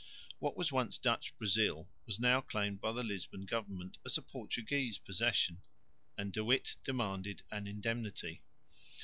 What was once Dutch Brazil was now claimed by the Lisbon government as a Portuguese possession, and De Witt demanded an indemnity.